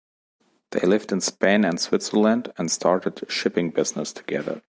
They lived in Spain and Switzerland and started a shipping business together.